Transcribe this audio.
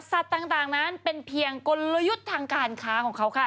สัตว์ต่างนั้นเป็นเพียงกลยุทธ์ทางการค้าของเขาค่ะ